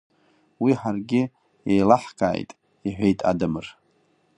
Уи ҳаргьы еилаҳкааит, – иҳәеит Адамыр.